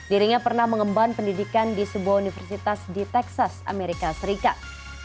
dirinya pernah mengemban pendidikan di sebuah universitas di texas amerika serikat